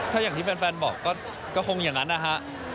ถ้าอย่างที่แฟนบอกก็คงอย่างนั้นนะฮะ